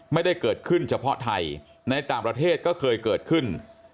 ไม่ได้เกิดขึ้นเฉพาะไทยในต่างประเทศก็เคยเกิดขึ้น